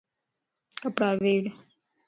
ڪپڙا ويڙھ